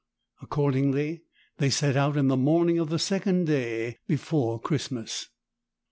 Accordingly they set out in the morning of the second day before Christmas.